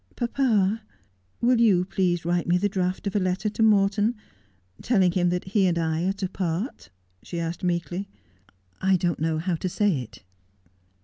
' Papa, will you please write me the draft of a letter to Morton, telling him that he and I are_to part ?' she asked meekly. ' I don't know how to say it.'